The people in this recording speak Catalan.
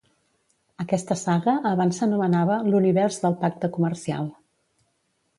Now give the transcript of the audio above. Aquesta saga abans s'anomenava l'Univers del pacte comercial.